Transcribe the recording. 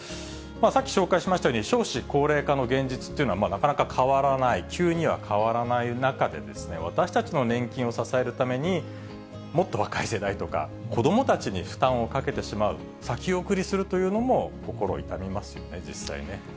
さっき紹介しましたように、少子高齢化の現実っていうのは、なかなか変わらない、急には変わらない中で、私たちの年金を支えるために、もっと若い世代とか、子どもたちに負担をかけてしまう、先送りするというのも心痛みますよね、実際ね。